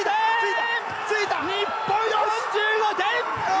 日本、４５点！